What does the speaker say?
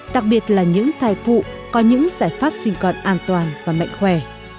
đặc biệt là những thai phụ có những giải pháp sinh con an toàn và mạnh khỏe